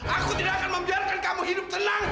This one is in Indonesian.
aku tidak akan membiarkan kamu hidup tenang